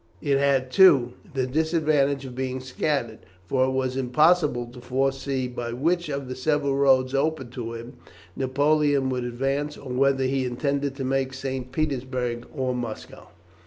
It had, too, the disadvantage of being scattered, for it was impossible to foresee by which of the several roads open to him, Napoleon would advance, or whether he intended to make for St. Petersburg or Moscow.